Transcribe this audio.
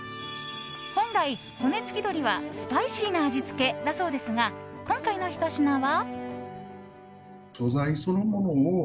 本来、骨付鶏はスパイシーな味付けだそうですが今回のひと品は。